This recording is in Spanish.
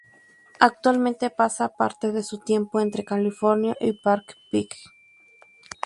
Actualmente pasa parte de su tiempo entre California y Park Ridge.